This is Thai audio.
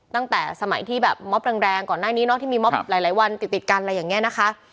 ตั้งแต่สมัยที่แบบม็อบแรงก่อนหน้านี้เนาะที่มีมอบหลายวันติดติดกันอะไรอย่างนี้นะคะ